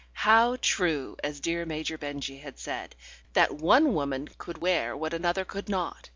How true, as dear Major Benjy had said, that one woman could wear what another could not.